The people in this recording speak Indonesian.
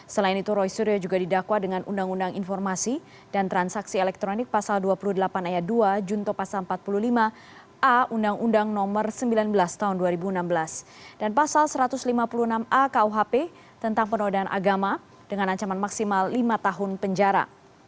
selain itu roy suryo juga didakwa dengan undang undang informasi dan transaksi elektronik pasal dua puluh delapan ayat dua junto pasal empat puluh lima a undang undang nomor sembilan belas tahun dua ribu enam belas dan pasal satu ratus lima puluh enam a kuhp tentang penodaan agama dengan ancaman maksimal lima tahun penjara